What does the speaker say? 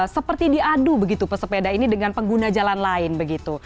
seperti diadu begitu pesepeda ini dengan pengguna jalan lain begitu